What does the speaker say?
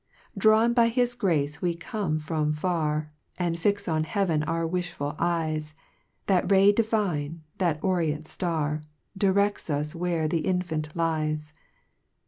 6 Drawn by his grace we come from far, And fix on heaven our wifliful eyes, That Ray divine, that orient Star Directs us where the Infant lies.